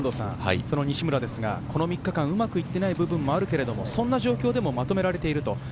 西村ですが、この３日間うまくいっていない部分もあるけれど、そんな状況でもまとめられている。